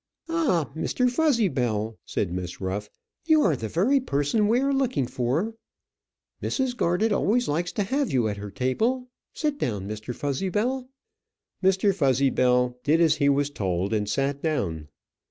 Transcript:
"Ah, Mr. Fuzzybell," said Miss Ruff, "you are the very person we are looking for. Mrs. Garded always likes to have you at her table. Sit down, Mr. Fuzzybell." Mr. Fuzzybell did as he was told, and sat down.